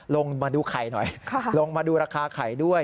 ลงมาดูไข่หน่อยลงมาดูราคาไข่ด้วย